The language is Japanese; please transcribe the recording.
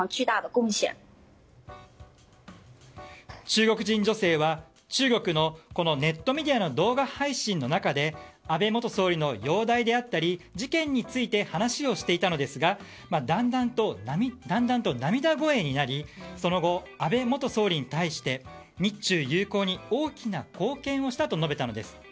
中国人女性は、中国のこのネットメディアの動画配信の中で安倍元総理の容体であったり事件について話をしていたのですがだんだんと涙声になりその後、安倍元総理に対して日中友好に大きな貢献をしたと述べたのです。